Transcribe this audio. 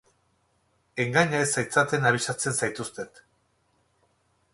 Engaina ez zaitzaten abisatzen zaituztet.